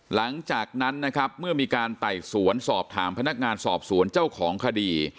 หลังจากนั้นนะครับเมื่อมีการไต่สวนสอบถามพนักงานสอบสวนเจ้าของคดี